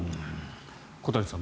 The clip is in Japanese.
小谷さん